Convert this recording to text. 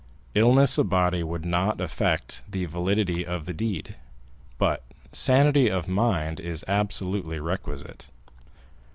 Illness of body would not affect the validity of the deed, but sanity of mind is absolutely requisite."